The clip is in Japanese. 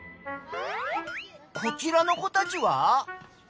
こちらの子たちは？